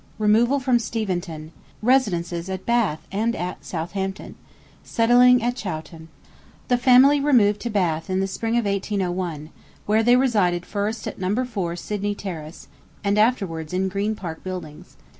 Removal from Steventon Residences at Bath and at Southampton Settling at Chawton. The family removed to Bath in the spring of 1801, where they resided first at No. 4 Sydney Terrace, and afterwards in Green Park Buildings.